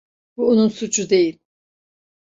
Bu onun suçu değil.